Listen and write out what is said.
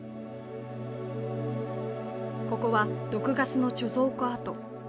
ここは毒ガスの貯蔵庫跡。